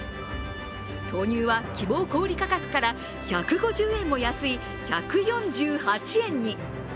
豆乳は希望小売価格から１５０円も安い１４８円に。